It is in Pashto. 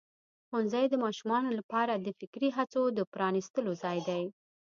ښوونځی د ماشومانو لپاره د فکري هڅو د پرانستلو ځای دی.